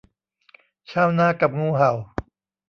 ชาวนากับงูเห่า